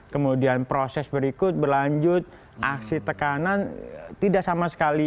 kemudian proses berikut berlanjut aksi tekanan tidak sama sekali